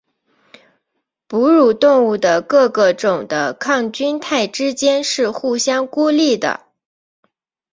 哺乳动物的各个种的抗菌肽之间是互相孤立的。